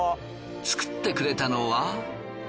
作ってくれたのは？